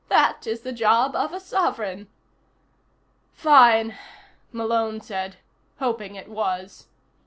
That is the job of a sovereign." "Fine," Malone said, hoping it was.